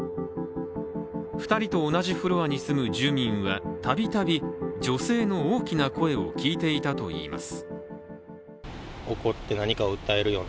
２人と同じフロアに住む住人は、たびたび女性の大きな声を聞いていたといいます。